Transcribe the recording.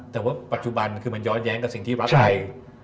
แต่ว่าปัจจุบันคือมันย้อนแย้งกับสิ่งที่รักไทย